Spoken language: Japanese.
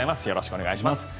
よろしくお願いします。